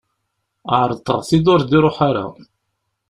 Ɛerḍeɣ-t-id, ur d-iruḥ ara.